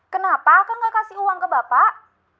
kenapa kamu gak kasih uang ke bapak